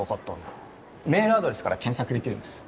メールアドレスから検索できるんです。